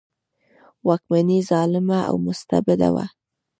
واکمني ظالمه او مستبده وه.